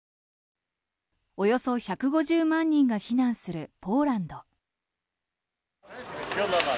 およそ１５０万人が避難するポーランド。